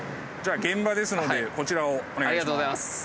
じゃあ現場ですのでこちらをお願いします。